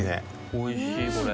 おいしいこれ。